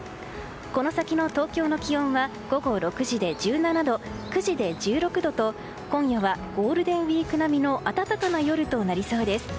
この先の東京の気温は午後６時で１７度９時で１６度と今夜はゴールデンウィーク並みの暖かな夜となりそうです。